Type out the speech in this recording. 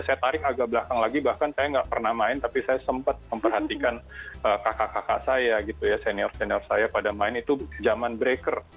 saya tarik agak belakang lagi bahkan saya nggak pernah main tapi saya sempat memperhatikan kakak kakak saya gitu ya senior senior saya pada main itu zaman breaker